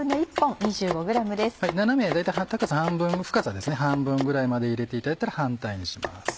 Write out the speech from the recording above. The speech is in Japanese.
斜め大体深さ半分ぐらいまで入れていただいたら反対にします。